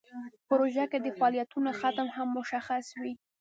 په پروژه کې د فعالیتونو ختم هم مشخص وي.